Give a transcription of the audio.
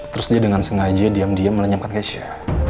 terus dia dengan sengaja diam diam melenyamkan kesha